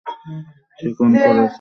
সে খুন করেছে।